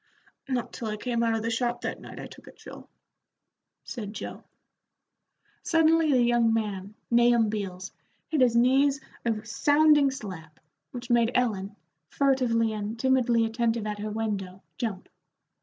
"Not till I came out of the shop that night I took the chill," said Joe. Suddenly the young man, Nahum Beals, hit his knees a sounding slap, which made Ellen, furtively and timidly attentive at her window, jump.